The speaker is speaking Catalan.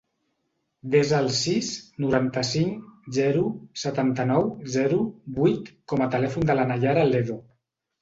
Desa el sis, noranta-cinc, zero, setanta-nou, zero, vuit com a telèfon de la Naiara Ledo.